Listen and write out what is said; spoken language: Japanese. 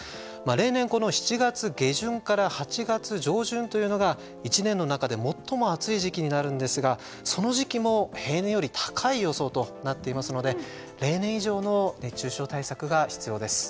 例年７月下旬から８月上旬というのが１年の中で最も暑い時期になるんですがその時期も平年よりも高い予想となっていますので例年以上の熱中症対策が必要です。